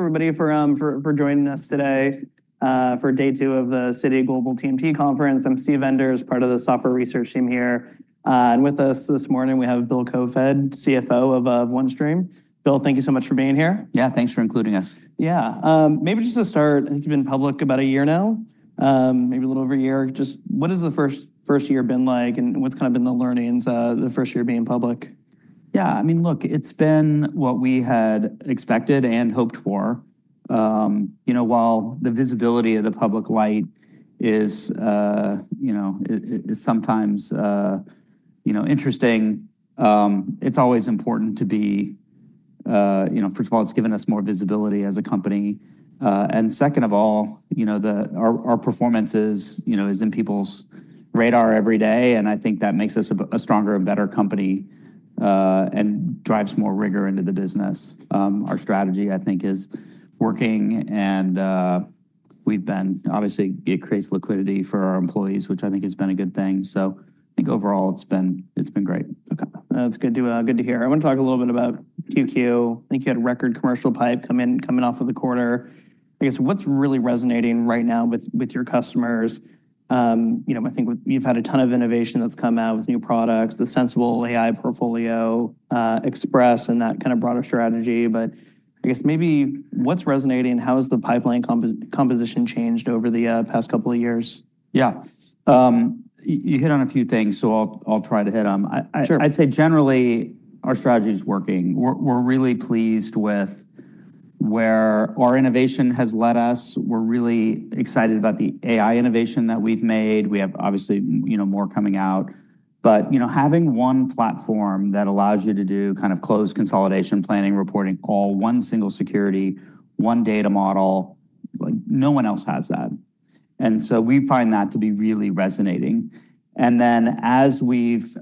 Thank you everybody for joining us today, for day two of the Citi Global TMT Conference. I'm Steve Enders, part of the software research team here. And with us this morning, we have Bill Koefoed, CFO of OneStream. Bill, thank you so much for being here. Yeah, thanks for including us. Yeah. Maybe just to start, you've been public about a year now, maybe a little over a year. Just what has the first year been like, and what's kinda been the learnings of the first year being public? Yeah. It's been what we had expected and hoped for. While the visibility of the public light is sometimes interesting, it's always important to be. First of all, it's given us more visibility as a company, and second of all our performance is in people's radar every day, that makes us a stronger and better company, and drives more rigor into the business. Our strategy, is working, and obviously it creates liquidity for our employees, which has been a good thing. So overall, it's been great. Okay. That's good to hear. I wanna talk a little bit about Q2. You had record commercial pipeline come in, coming off of the quarter. What's really resonating right now with your customers? With you've had a ton of innovation that's come out with new products, the Sensible AI portfolio, Express, and that kind of broader strategy. But what's resonating, how has the pipeline composition changed over the past couple of years? Yeah. You hit on a few things, so I'll try to hit 'em. I'd say generally, our strategy is working. We're, we're really pleased with where our innovation has led us. We're really excited about the AI innovation that we've made. We have obviously, more coming out. But having one platform that allows you to do kind of close consolidation, planning, reporting, all one single security, one data model, like, no one else has that. And so we find that to be really resonating. And then, as we've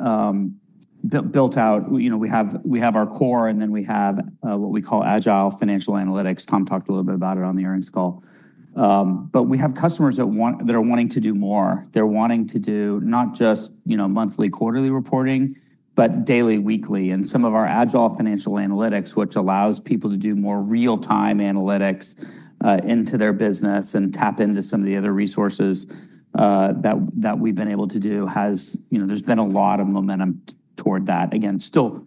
built out we have our core, and then we have what we call Agile Financial Analytics. Tom talked a little bit about it on the earnings call. But we have customers that want that are wanting to do more. They're wanting to do not just monthly, quarterly reporting, but daily, weekly. And some of our Agile Financial Analytics, which allows people to do more real-time analytics into their business and tap into some of the other resources that we've been able to do, has. There's been a lot of momentum toward that. Again, still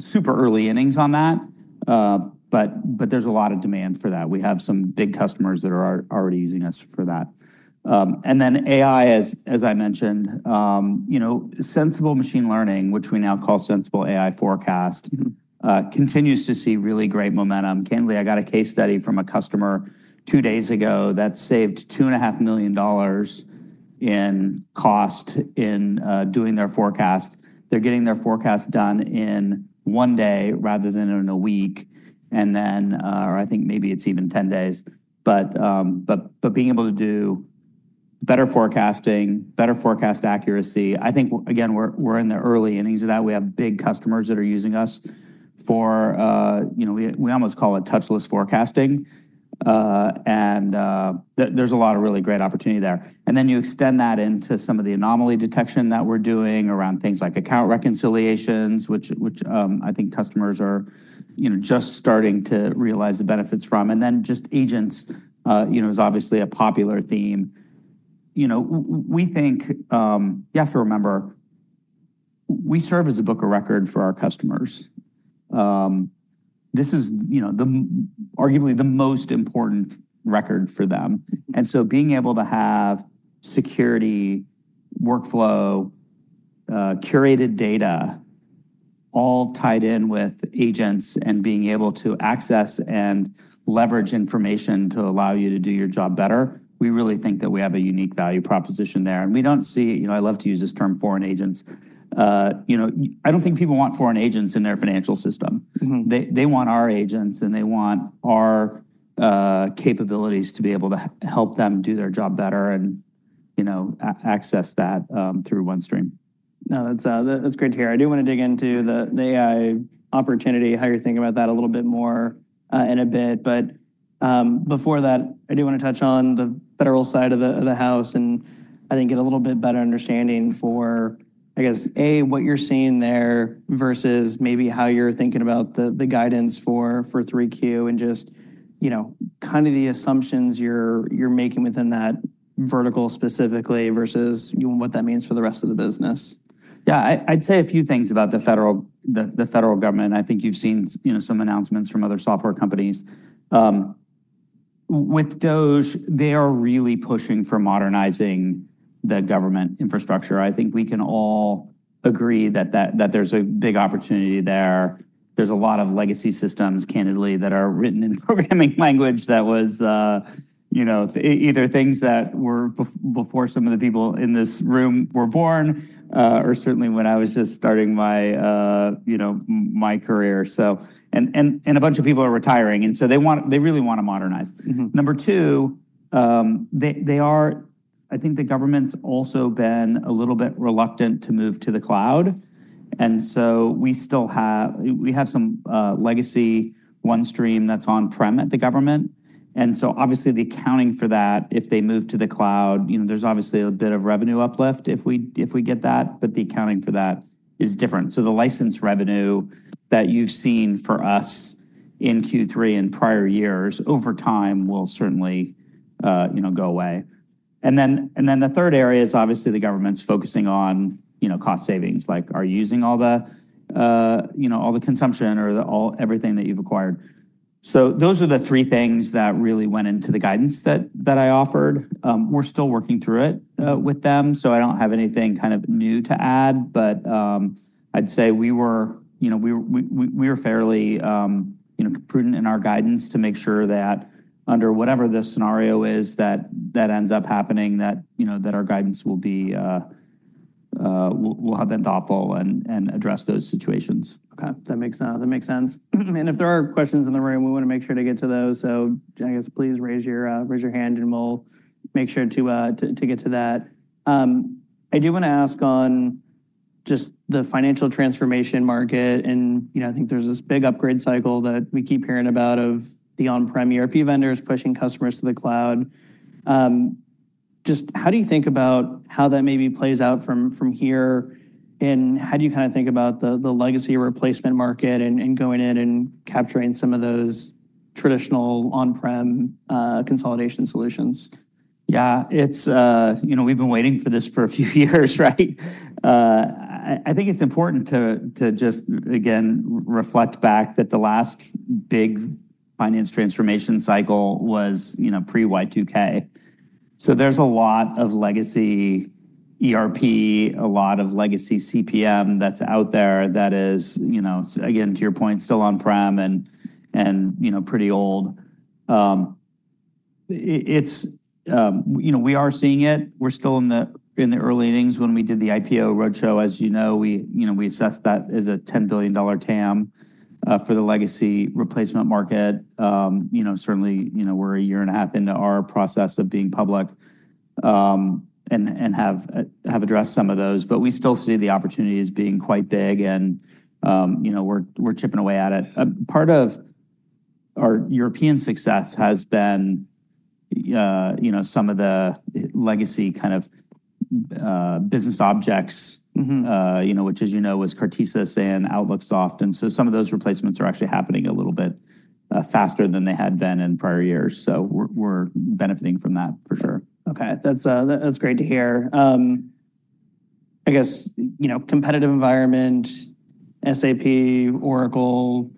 super early innings on that, but there's a lot of demand for that. We have some big customers that are already using us for that. And then AI, as I mentioned Sensible Machine Learning, which we now call Sensible AI Forecast continues to see really great momentum. Candidly, I got a case study from a customer two days ago that saved $2.5 million in cost in doing their forecast. They're getting their forecast done in one day rather than in a week, and then ormaybe it's even ten days. But being able to do better forecasting, better forecast accuracy, again, we're in the early innings of that. We have big customers that are using us for we almost call it touchless forecasting. And there's a lot of really great opportunity there. And then you extend that into some of the anomaly detection that we're doing around things like account reconciliations, which I think customers are just starting to realize the benefits from. Then just agents is obviously a popular theme. We think you have to remember, we serve as a book of record for our customers. This is arguably the most important record for them. So being able to have security, workflow, curated data, all tied in with agents, and being able to access and leverage information to allow you to do your job better, we really think that we have a unique value proposition there, and we don't see. I love to use this term, foreign agents. I don't think people want foreign agents in their financial system. They want our agents, and they want our capabilities to be able to help them do their job better and access that through OneStream. No, that's, that's great to hear. I do wanna dig into the AI opportunity, how you're thinking about that a little bit more, in a bit. But, before that, I do wanna touch on the federal side of the house get a little bit better understanding for what you're seeing there versus maybe how you're thinking about the guidance for 3Q, and just kind of the assumptions you're making within that vertical specifically, versus what that means for the rest of the business. Yeah. I'd say a few things about the federal government. You've seen some announcements from other software companies. With DOGE, they are really pushing for modernizing the government infrastructure. I think we can all agree that there's a big opportunity there. There's a lot of legacy systems, candidly, that are written in programming language that was either things that were before some of the people in this room were born, or certainly when I was just starting my career. So, and a bunch of people are retiring, and so they want. They really wanna modernize. Number two, they are. The government's also been a little bit reluctant to move to the cloud, and so we still have some legacy OneStream that's on-prem at the government. Obviously, the accounting for that, if they move to the cloud there's obviously a bit of revenue uplift if we get that, but the accounting for that is different. So the license revenue that you've seen for us in Q3 in prior years, over time will certainly go away. And then the third area is obviously the government's focusing on cost savings, like are you using all the consumption or all everything that you've acquired? So those are the three things that really went into the guidance that I offered. We're still working through it with them, so I don't have anything kind of new to add, but I'd say we are fairly prudent in our guidance to make sure that under whatever the scenario is that ends up happening that our guidance will have been thoughtful and address those situations. Okay. That makes sense. That makes sense. And if there are questions in the room, we want to make sure to get to those. So please raise your hand, and we'll make sure to get to that. I do want to ask on just the financial transformation market, and there's this big upgrade cycle that we keep hearing about of the on-prem ERP vendors pushing customers to the cloud. Just how do you think about how that maybe plays out from here, and how do you kinda think about the legacy replacement market and going in and capturing some of those traditional on-prem consolidation solutions? Yeah, we've been waiting for this for a few years, right? It's important to just again reflect back that the last big finance transformation cycle was, pre-Y2K. So there's a lot of legacy ERP, a lot of legacy CPM that's out there that is again, to your point, still on-prem and pretty old. We are seeing it. We're still in the early innings. When we did the IPO roadshow, we assessed that as a $10 billion TAM for the legacy replacement market. Certainly we're a year and a half into our process of being public, and have addressed some of those. But we still see the opportunity as being quite big and we're chipping away at it. Part of our European success has been some of the legacy kind of Business Objects. Which was Cartesis and OutlookSoft, and so some of those replacements are actually happening a little bit faster than they had been in prior years, so we're benefiting from that for sure. Okay. That's, that's great to hear. I guess competitive environment, SAP, Oracle,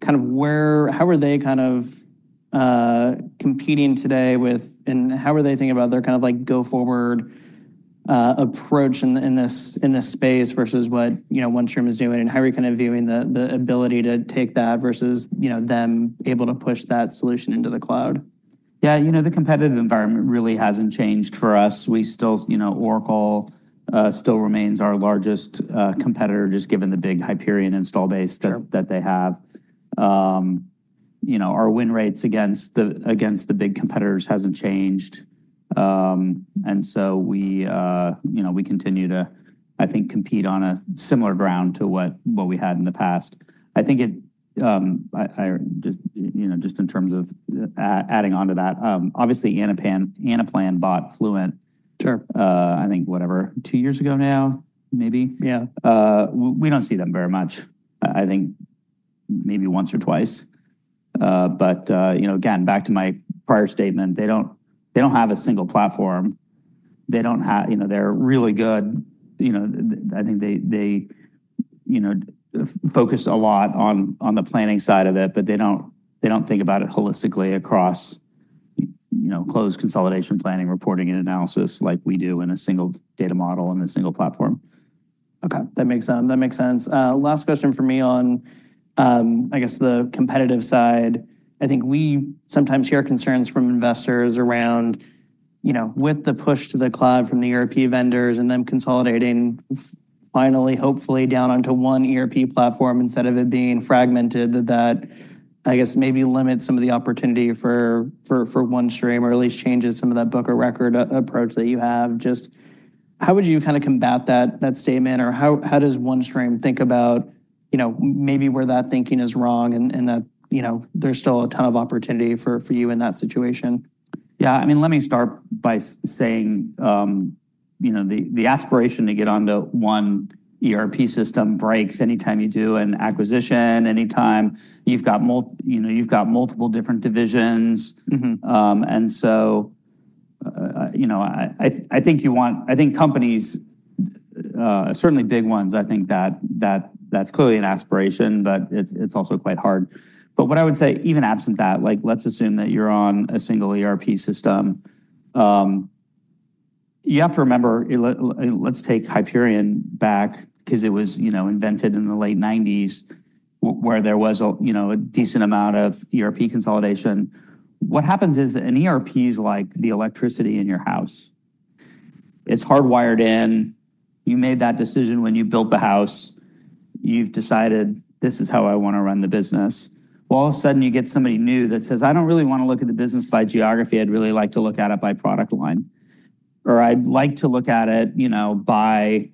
kind of where, how are they kind of competing today with, and how are they thinking about their kind of like, go-forward approach in, in this, in this space versus what OneStream is doing? And how are you kind of viewing the, the ability to take that versus them able to push that solution into the cloud? Yeah. The competitive environment really hasn't changed for us. Oracle still remains our largest competitor, just given the big Hyperion install base that they have. Our win rates against the big competitors hasn't changed. We continue to compete on a similar ground to what we had in the past. Just in terms of adding on to that, obviously, Anaplan bought Fluence. Whatever, two years ago now, maybe? Yeah. We don't see them very much. I think maybe once or twice. But again, back to my prior statement, they don't, they don't have a single platform. They're really good. They focus a lot on the planning side of it, but they don't, they don't think about it holistically across close consolidation, planning, reporting, and analysis like we do in a single data model, in a single platform. Okay, that makes sense. That makes sense. Last question from me on the competitive side. We sometimes hear concerns from investors around with the push to the cloud from the ERP vendors and them consolidating finally, hopefully, down onto one ERP platform instead of it being fragmented, that maybe limits some of the opportunity for OneStream, or at least changes some of that book-of-record approach that you have. Just how would you kind of combat that statement, or how does OneStream think abou maybe where that thinking is wrong and that there's still a ton of opportunity for you in that situation? Yeah. Let me start by saying, the aspiration to get onto one ERP system breaks anytime you do an acquisition, anytime you've got multiple different divisions. Companies, certainly big ones. That's clearly an aspiration, but it's also quite hard. But what I would say, even absent that, like, let's assume that you're on a single ERP system. You have to remember, let's take Hyperion back because it was invented in the late nineties, where there was a decent amount of ERP consolidation. What happens is, an ERP is like the electricity in your house. It's hardwired in. You made that decision when you built the house. You've decided: This is how I want to run the business. Well, all of a sudden, you get somebody new that says, "I don't really want to look at the business by geography. I'd really like to look at it by product line," or, "I'd like to look at it by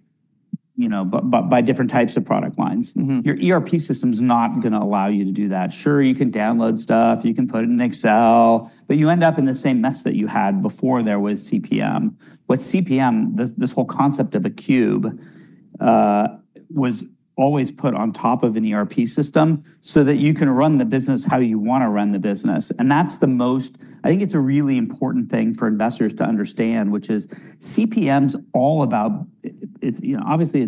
different types of product lines. Your ERP system's not gonna allow you to do that. Sure, you can download stuff, you can put it in Excel, but you end up in the same mess that you had before there was CPM. With CPM, this whole concept of a cube was always put on top of an ERP system so that you can run the business how you wanna run the business. And that's the most. It's a really important thing for investors to understand, which is CPM's all about. It's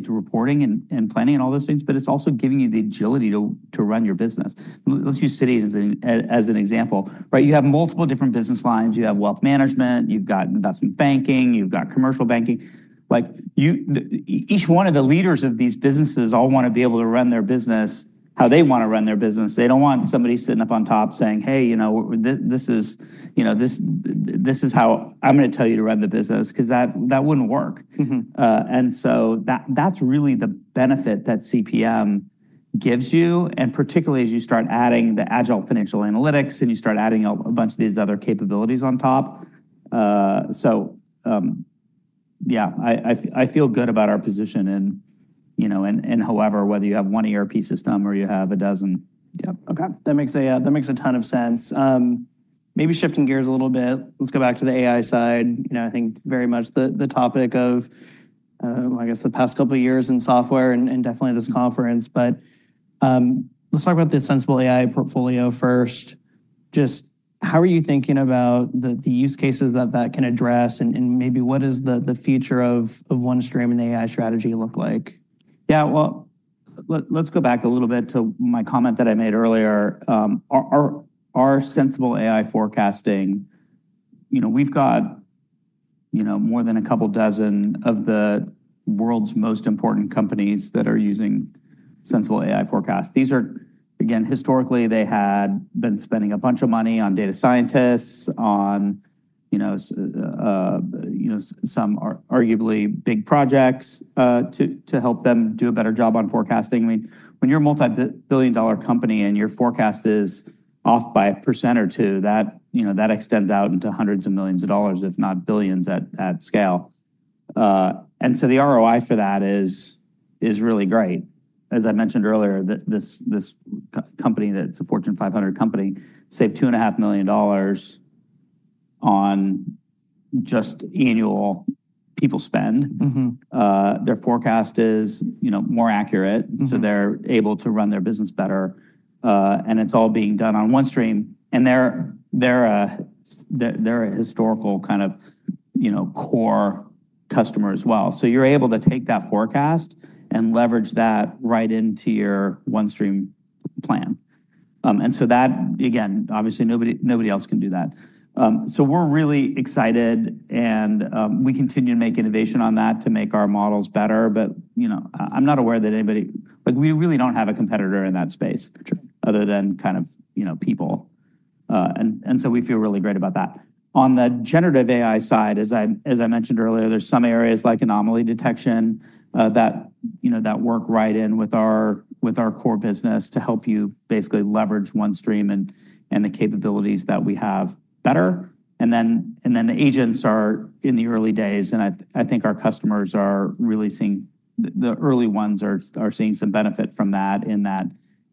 reporting and planning and all those things, but it's also giving you the agility to run your business. Let's use Citi as an example, right? You have multiple different business lines. You have wealth management, you've got investment banking, you've got commercial banking. Like, each one of the leaders of these businesses all want to be able to run their business how they want to run their business. They don't want somebody sitting up on top saying: "Hey this is how I'm gonna tell you to run the business," 'cause that wouldn't work. And so that's really the benefit that CPM gives you, and particularly as you start adding the Agile Financial Analytics, and you start adding a bunch of these other capabilities on top. So, yeah, I feel good about our position in however whether you have one ERP system or you have a dozen. Yep. Okay, that makes a ton of sense. Maybe shifting gears a little bit, let's go back to the AI side. You know very much the topic of the past couple of years in software and definitely this conference. But let's talk about the Sensible AI portfolio first. Just how are you thinking about the use cases that that can address, and maybe what is the future of OneStream and AI strategy look like? Yeah, well, let's go back a little bit to my comment that I made earlier. Our Sensible AI forecasting, we've got more than a couple dozen of the world's most important companies that are using Sensible AI Forecast. These are, again, historically, they had been spending a bunch of money on data scientists, on some arguably big projects to help them do a better job on forecasting. When you're a billion-dollar company and your forecast is off by 1% or 2%, that extends out into hundreds of millions of dollars, if not billions at scale. And so the ROI for that is really great. As I mentioned earlier, this company that's a Fortune 500 company saved $2.5 million on just annual people spend their forecast is more accurate so they're able to run their business better, and it's all being done on OneStream. And they're a historical kind of core customer as well. So you're able to take that forecast and leverage that right into your OneStream plan. And so that, again, obviously, nobody else can do that. So we're really excited and we continue to make innovation on that to make our models better, but I'm not aware that anybody... Like, we really don't have a competitor in that space other than kind of people. We feel really great about that. On the generative AI side, as I mentioned earlier, there's some areas like anomaly detection that work right in with our core business to help you basically leverage OneStream and the capabilities that we have better. And then the agents are in the early days, and our customers are really seeing the early ones are seeing some benefit from that, in that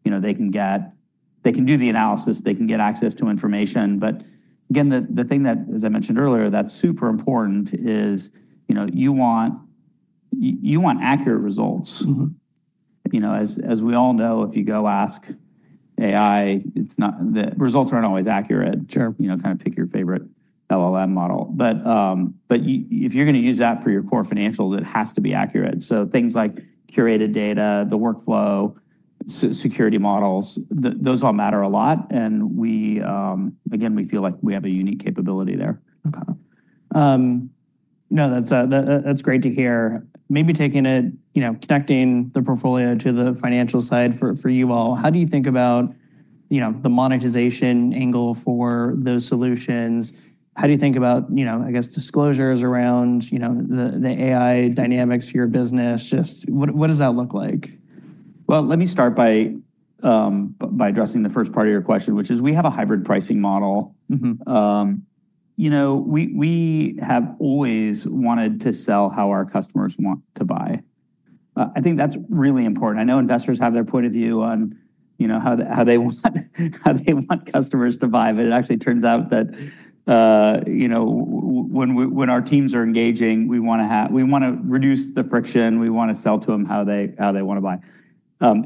they can do the analysis, they can get access to information. But again, the thing that, as I mentioned earlier, that's super important is you want accurate results. As we all know, if you go ask AI, it's not, the results aren't always accurate. Kind of pick your favorite LLM model. But if you're gonna use that for your core financials, it has to be accurate. So things like curated data, the workflow, security models, those all matter a lot, and we, again, we feel like we have a unique capability there. Okay. No, that's great to hear. Maybe taking it connecting the portfolio to the financial side for you all, how do you think about the monetization angle for those solutions? How do you think about disclosures around the AI dynamics for your business? Just what does that look like? Let me start by addressing the first part of your question, which is we have a hybrid pricing model. We have always wanted to sell how our customers want to buy. That's really important. I know investors have their point of view on, how they want customers to buy, but it actually turns out that when our teams are engaging, we wanna reduce the friction, we wanna sell to them how they wanna buy.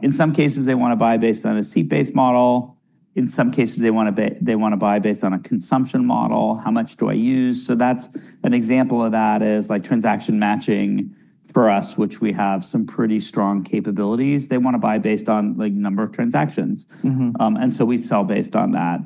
In some cases, they wanna buy based on a seat-based model. In some cases, they wanna buy based on a consumption model. How much do I use? So that's an example of that is, like, transaction matching for us, which we have some pretty strong capabilities. They wanna buy based on, like, number of transactions. We sell based on that.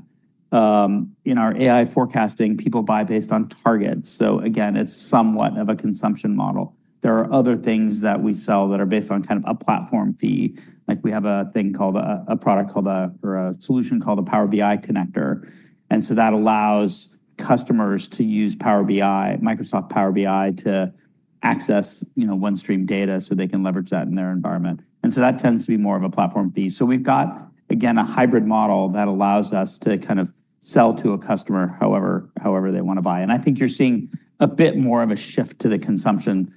In our AI forecasting, people buy based on targets. So again, it's somewhat of a consumption model. There are other things that we sell that are based on kind of a platform fee. Like we have a thing called a product called, or a solution called the Power BI Connector, and so that allows customers to use Power BI, Microsoft Power BI, to access OneStream data, so they can leverage that in their environment. And so that tends to be more of a platform fee. So we've got, again, a hybrid model that allows us to kind of sell to a customer, however they wanna buy. You're seeing a bit more of a shift to the consumption.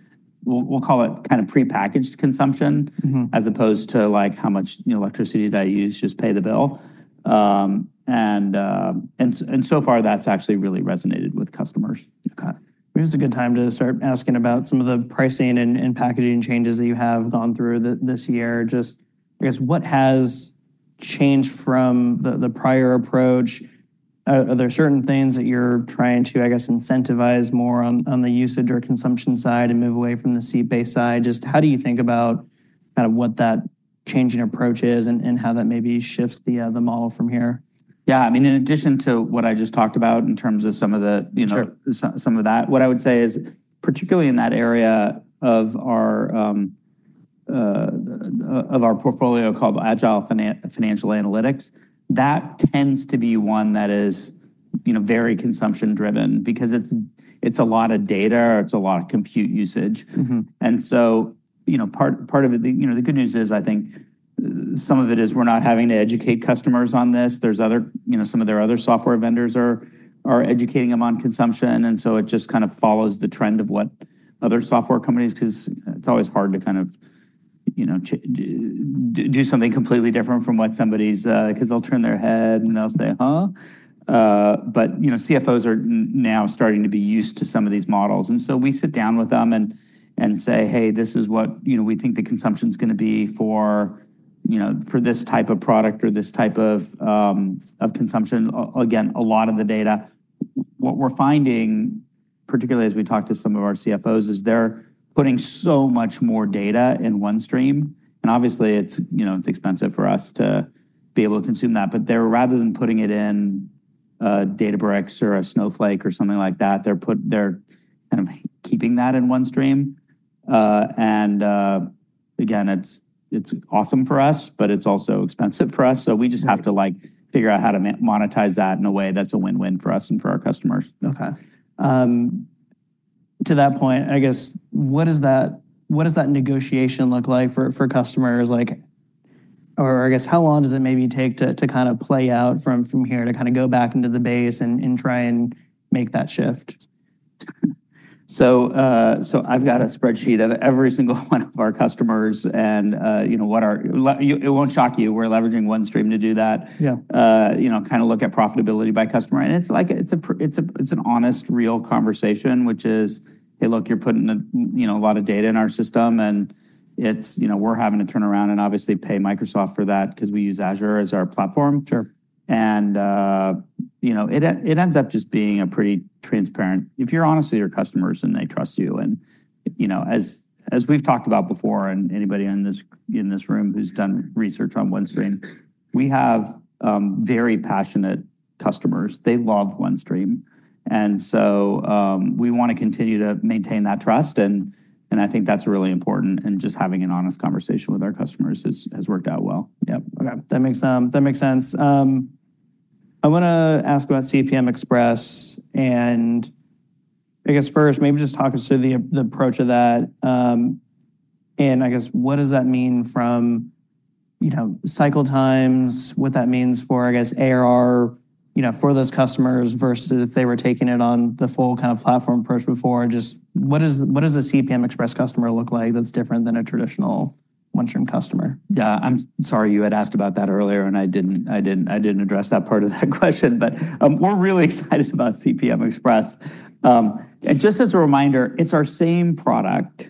We'll call it kind of prepackaged consumption as opposed to like, how much electricity did I use? Just pay the bill. And so far, that's actually really resonated with customers. Okay. Maybe it's a good time to start asking about some of the pricing and packaging changes that you have gone through this year. Just what has changed from the prior approach? Are there certain things that you're trying to incentivize more on the usage or consumption side and move away from the seat-based side? Just how do you think about kind of what that change in approach is, and how that maybe shifts the model from here? Yeah. In addition to what I just talked about in terms of some of that, what I would say is, particularly in that area of our portfolio called Agile Financial Analytics, that tends to be one that is very consumption driven. Because it's a lot of data, it's a lot of compute usage. Part of it, the good news is some of it is we're not having to educate customers on this. There's other some of their other software vendors are educating them on consumption, and so it just kind of follows the trend of what other software companies. 'Cause it's always hard to kind of do something completely different from what somebody's, 'cause they'll turn their head, and they'll say, "Huh?" But CFOs are now starting to be used to some of these models. And so we sit down with them and say, "Hey, this is what we think the consumption's gonna be for this type of product or this type of of consumption."Again, a lot of the data. What we're finding, particularly as we talk to some of our CFOs, is they're putting so much more data in OneStream, and obviously it's expensive for us to be able to consume that. But they're, rather than putting it in a Databricks or a Snowflake or something like that, they're kind of keeping that in OneStream. And again, it's, it's awesome for us, but it's also expensive for us. So we just have to, like, figure out how to monetize that in a way that's a win-win for us and for our customers. Okay. To that point, what does that negotiation look like for customers? How long does it maybe take to kind of play out from here to kind of go back into the base and try and make that shift? So, I've got a spreadsheet of every single one of our customers, and it won't shock you, we're leveraging OneStream to do that. Yeah. Kind of look at profitability by customer, and it's like, it's a, it's an honest, real conversation, which is, "Hey, look, you're putting a lot of data in our system," and we're having to turn around and obviously pay Microsoft for that 'cause we use Azure as our platform. It ends up just being a pretty transparent. If you're honest with your customers, and they trust you, and as we've talked about before, and anybody in this room who's done research on OneStream, we have very passionate customers. They love OneStream, and so we want to continue to maintain that trust, and that's really important, and just having an honest conversation with our customers has worked out well. Yeah. Okay, that makes sense. I wanna ask about CPM Express, and maybe just talk us through the approach of that. What does that mean from cycle times, what that means for ARR for those customers versus if they were taking it on the full kind of platform approach before? Just what does a CPM Express customer look like that's different than a traditional OneStream customer? Yeah, I'm sorry, you had asked about that earlier, and I didn't address that part of that question, but we're really excited about CPM Express, and just as a reminder, it's our same product,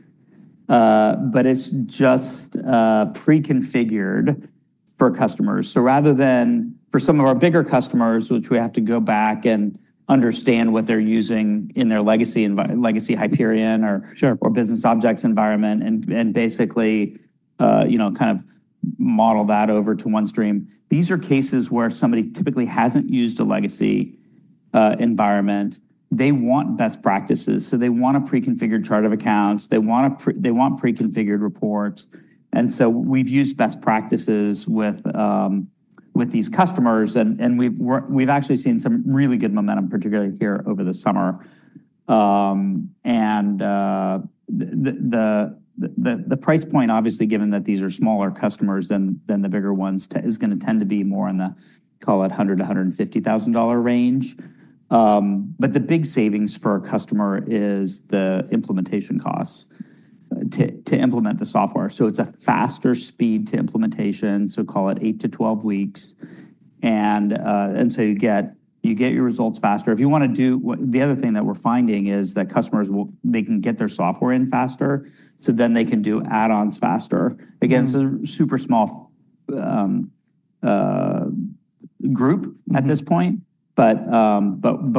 but it's just pre-configured for customers. So rather than for some of our bigger customers, which we have to go back and understand what they're using in their legacy environment, legacy Hyperion or Business Objects environment and basically kind of model that over to OneStream. These are cases where somebody typically hasn't used a legacy environment. They want best practices, so they want a pre-configured chart of accounts. They want pre-configured reports, and so we've used best practices with these customers, and we've actually seen some really good momentum, particularly here over the summer. The price point, obviously, given that these are smaller customers than the bigger ones, is gonna tend to be more in the, call it $100,000-$150,000 range, but the big savings for a customer is the implementation costs to implement the software, so it's a faster speed to implementation, so call it 8 to 12 weeks. So you get your results faster. If you wanna do what, the other thing that we're finding is that customers can get their software in faster, so then they can do add-ons faster. Again, it's a super small group at this point but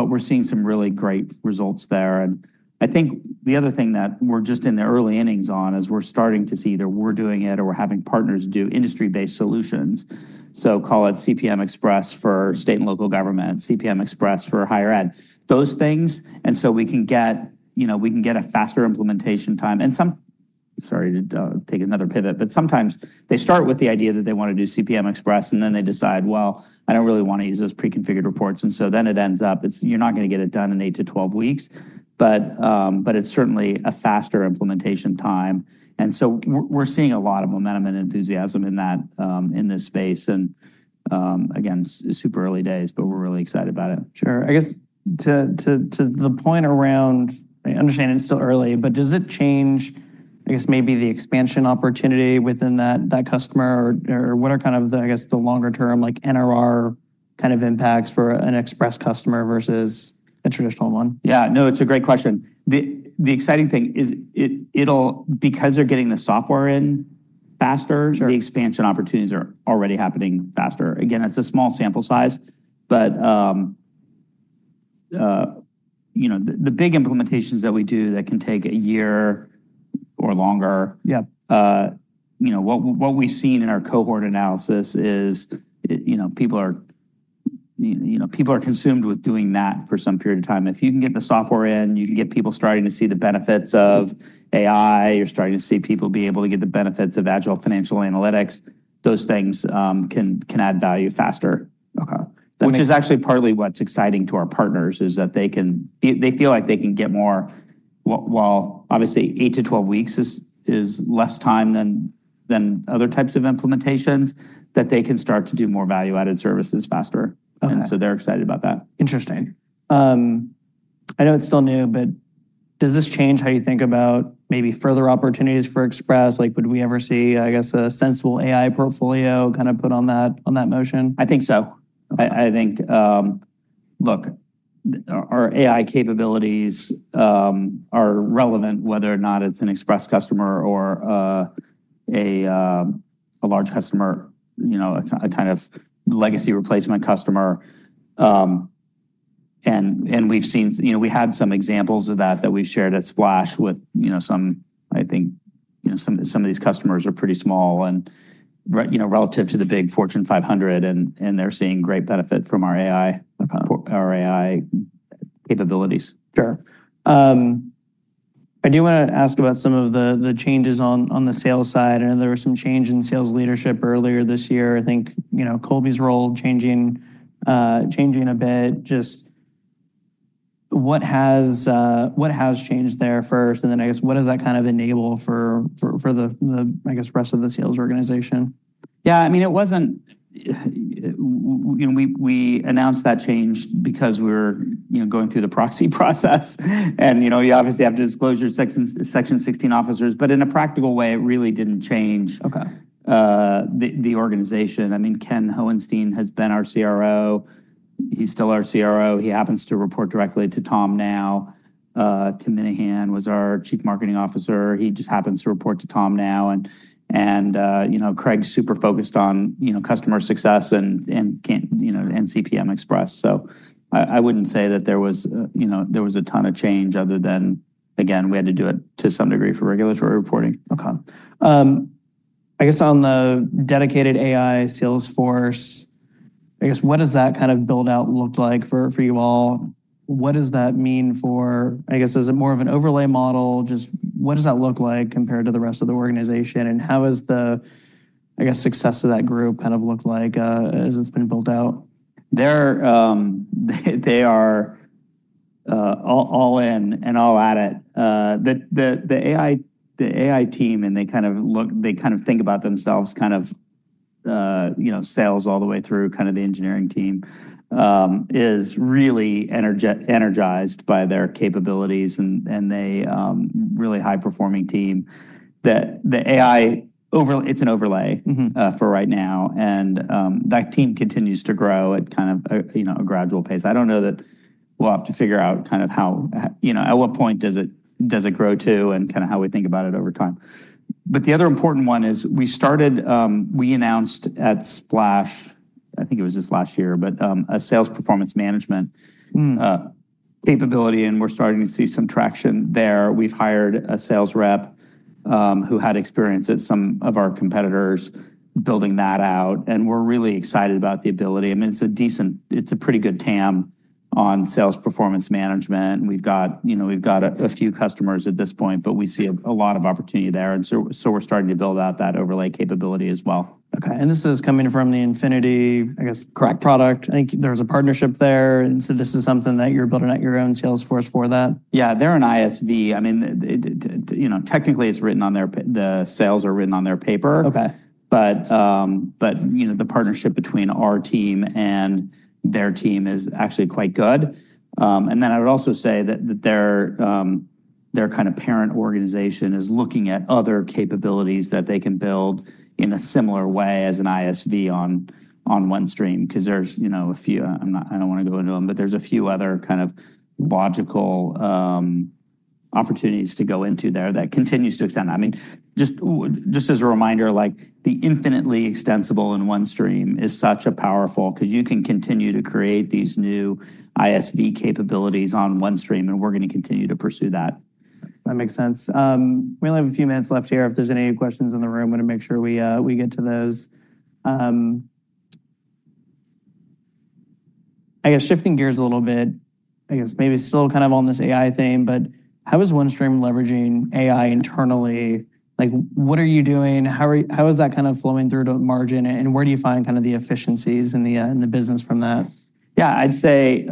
we're seeing some really great results there. The other thing that we're just in the early innings on is we're starting to see either we're doing it or we're having partners do industry-based solutions. So call it CPM Express for state and local government, CPM Express for higher ed, those things. And so we can get a faster implementation time. And some.. Sorry to take another pivot, but sometimes they start with the idea that they want to do CPM Express, and then they decide, "Well, I don't really want to use those pre-configured reports." And so then it ends up, it's, you're not gonna get it done in eight to 12 weeks, but it's certainly a faster implementation time, and so we're seeing a lot of momentum and enthusiasm in that, in this space. And, again, super early days, but we're really excited about it. Sure. To the point around... I understand it's still early, but does it change maybe the expansion opportunity within that customer or what are kind of the longer term like NRR kind of impacts for an Express customer versus a traditional one? Yeah, no, it's a great question. The exciting thing is it, it'll because they're getting the software in faster expansion opportunities are already happening faster. Again, it's a small sample size, but the big implementations that we do that can take a year or longer. Yeah. What we've seen in our cohort analysis is people are consumed with doing that for some period of time. If you can get the software in, you can get people starting to see the benefits of AI. You're starting to see people be able to get the benefits of Agile Financial Analytics. Those things can add value faster. Okay. Which is actually partly what's exciting to our partners, is that they can. They feel like they can get more while obviously 8 to 12 weeks is less time than other types of implementations, that they can start to do more value-added services faster. Okay. They're excited about that. Interesting. I know it's still new, but does this change how you think about maybe further opportunities for Express? Like, would we ever see a Sensible AI portfolio kind of put on that, on that motion? I think so. Okay. Look, our AI capabilities are relevant, whether or not it's an Express customer or a large customer a kind of legacy replacement customer. We had some examples of that that we shared at Splash with some. Some of these customers are pretty small and relative to the big Fortune 500, and they're seeing great benefit from our AI capabilities. Sure. I do want to ask about some of the changes on the sales side. I know there was some change in sales leadership earlier this year. Colby's role changing a bit. Just what has changed there first, and then what does that kind of enable for the rest of the sales organization? Yeah. We announced that change because we were going through the proxy process, and you obviously have to disclose your Section 16 officers, but in a practical way, it really didn't change- Okay. Ken Hohenstein has been our CRO. He's still our CRO. He happens to report directly to Tom now. Tim Minahan was our Chief Marketing Officer. He just happens to report to Tom now, and Craig's super focused on customer success and CPM Express. So I wouldn't say that there was a ton of change other than, again, we had to do it to some degree for regulatory reporting. Okay. On the dedicated AI sales force, what does that kind of build-out look like for you all? What does that mean for. Is it more of an overlay model? Just what does that look like compared to the rest of the organization, and how has the success of that group kind of looked like as it's been built out? They're all in and all at it. The AI team, and they kind of think about themselves kind of sales all the way through, kind of the engineering team, is really energized by their capabilities, and they really high-performing team. The AI overlay, it's an overlay for right now, and, that team continues to grow at kind of a gradual pace. I don't know that we'll have to figure out kind of how and at what point does it grow to and kind of how we think about it over time. But the other important one is we started, we announced at Splash, it was just last year, but a sales performance management capability, and we're starting to see some traction there. We've hired a sales rep who had experience at some of our competitors building that out, and we're really excited about the ability. It's a decent, it's a pretty good TAM on sales performance management. We've got a few customers at this point, but we see a lot of opportunity there, and so we're starting to build out that overlay capability as well. Okay, and this is coming from the Infinity product. There was a partnership there, and so this is something that you're building out your own sales force for that? Yeah, they're an ISV. Technically, the sales are written on their paper. The partnership between our team and their team is actually quite good, and then I would also say that their kind of parent organization is looking at other capabilities that they can build in a similar way as an ISV on OneStream. 'Cause there's a few. I'm not, I don't want to go into them, but there's a few other kind of logical opportunities to go into there that continues to extend. Just as a reminder, like, the infinitely extensible in OneStream is such a powerful, 'cause you can continue to create these new ISV capabilities on OneStream, and we're going to continue to pursue that. That makes sense. We only have a few minutes left here. If there's any questions in the room, want to make sure we get to those. Shifting gears a little bit maybe still kind of on this AI theme, but how is OneStream leveraging AI internally? Like, what are you doing? How is that kind of flowing through to margin, and where do you find kind of the efficiencies in the business from that? Yeah, I'd say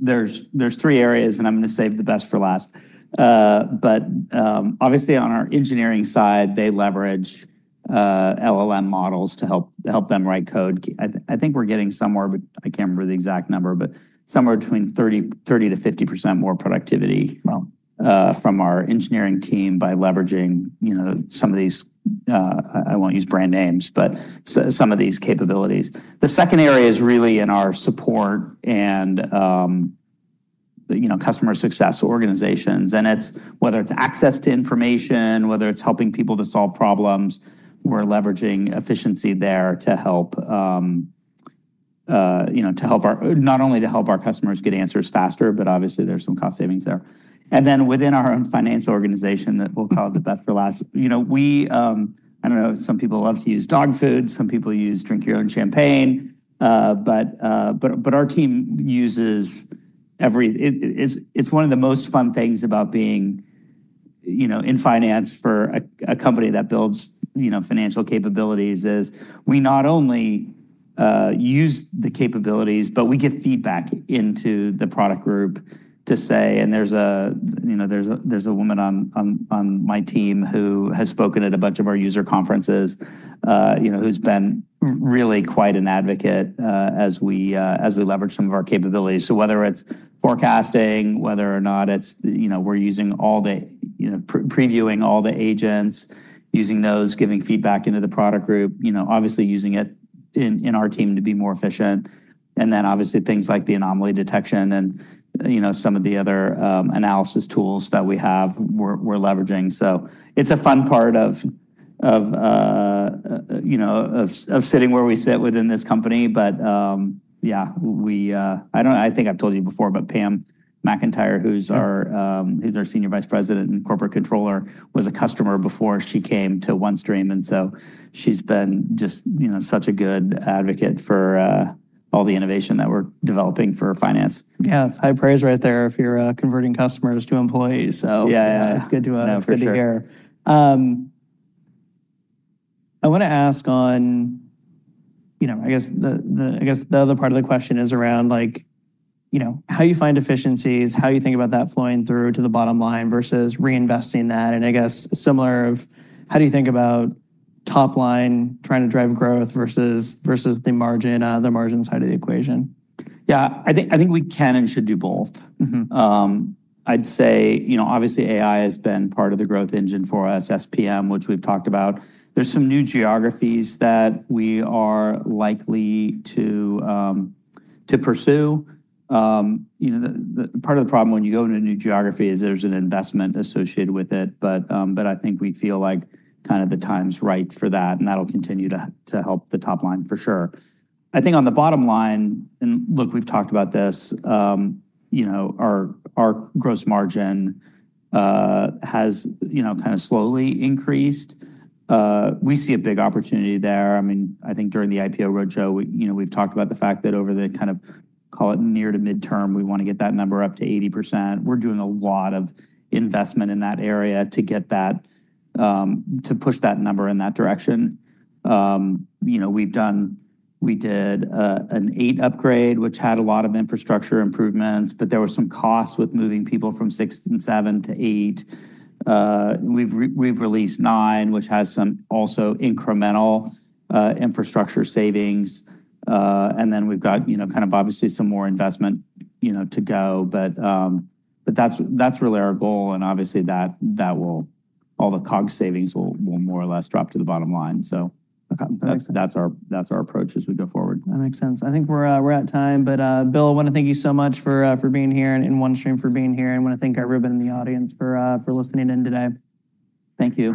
there's three areas, and I'm going to save the best for last. But obviously, on our engineering side, they leverage LLM models to help them write code. I think we're getting somewhere, but I can't remember the exact number, but somewhere between 30%-50% more productivity from our engineering team by leveraging some of these. I won't use brand names, but some of these capabilities. The second area is really in our support and customer success organizations, and it's whether it's access to information, whether it's helping people to solve problems. We're leveraging efficiency there to help our not only to help our customers get answers faster, but obviously there's some cost savings there. And then within our own finance organization that we'll call the best for last. We, I don't know, some people love to use dog food, some people use drink your own champagne, but our team uses every. It's one of the most fun things about being in finance for a company that builds financial capabilities, is we not only use the capabilities, but we give feedback into the product group to say, and there's a woman on my team who has spoken at a bunch of our user conferences who's been really quite an advocate, as we leverage some of our capabilities. So whether it's forecasting, whether or not it's. We're using all the previewing all the agents, using those, giving feedback into the product group obviously using it in our team to be more efficient. And then obviously, things like the anomaly detection and some of the other analysis tools that we have, we're leveraging. So it's a fun part of sitting where we sit within this company. But yeah, I think I've told you before, but Pam McIntyre, who's our Senior Vice President and Corporate Controller, was a customer before she came to OneStream, and so she's been just such a good advocate for all the innovation that we're developing for finance. Yeah, it's high praise right there if you're converting customers to employees, so It's good to hear. I want to ask on the other part of the question is around like how you find efficiencies, how you think about that flowing through to the bottom line versus reinvesting that. Similarly how do you think about top line trying to drive growth versus the margin side of the equation? Yeah. We can and should do both. I'd say obviously, AI has been part of the growth engine for us, SPM, which we've talked about. There's some new geographies that we are likely to pursue. The part of the problem when you go into a new geography is there's an investment associated with it, but we feel like kind of the time's right for that, and that'll continue to help the top line for sure. On the bottom line, and look, we've talked about this. Our gross margin has kind of slowly increased. We see a big opportunity there. During the IPO roadshow, we talked about the fact that over the kind of, call it near to midterm, we want to get that number up to 80%. We're doing a lot of investment in that area to get that, to push that number in that direction. We did an eight upgrade, which had a lot of infrastructure improvements, but there were some costs with moving people from six and seven to eight. We've released nine, which has some also incremental infrastructure savings. And then we've got kind of obviously some more investment to go, but, but that's, that's really our goal, and obviously, that, that will. All the COGS savings will more or less drop to the bottom line. So that's our approach as we go forward. That makes sense. I think we're at time, but Bill, I want to thank you so much for being here and in OneStream for being here. I want to thank everyone in the audience for listening in today. Thank you.